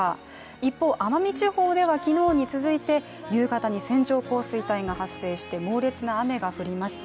一方、奄美地方では昨日に続いて夕方に線状降水帯が発生して猛烈な雨が降りました。